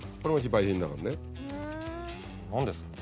何ですか？